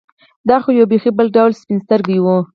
دا خو یې بېخي بل ډول سپین سترګي وه.